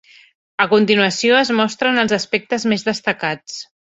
A continuació es mostren els aspectes més destacats.